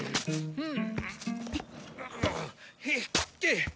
うん。